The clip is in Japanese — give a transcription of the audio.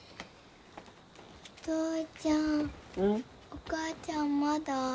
お母ちゃんまだ？